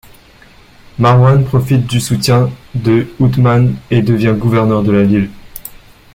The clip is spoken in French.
Marwān profite du soutien de ʿUṯmān et devient gouverneur de la ville.